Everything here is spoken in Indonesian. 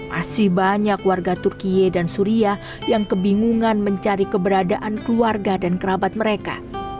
masih banyak warga turkiye dan suria yang kebingungan mencari keberadaan keluarga dan kerabat mereka